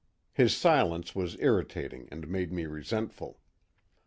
His silence was irritating and made me resentful.